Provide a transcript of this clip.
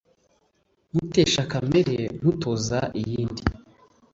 Nkutesha kamere nkutoza iyindi